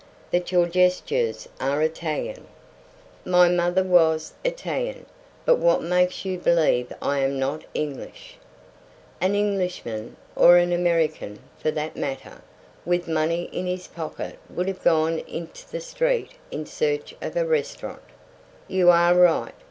"That your gestures are Italian." "My mother was Italian. But what makes you believe I am not English?" "An Englishman or an American, for that matter with money in his pocket would have gone into the street in search of a restaurant." "You are right.